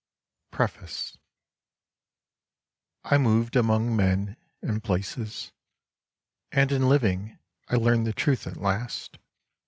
ttuest frtenD I MOVED among men and places, and in living I learned the truth at last.